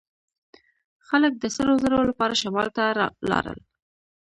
خلک د سرو زرو لپاره شمال ته لاړل.